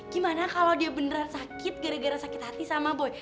gimana kalau dia beneran sakit gara gara sakit hati sama boy